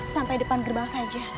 sampai depan gerbang saja